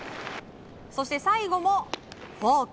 そして、最後もフォーク。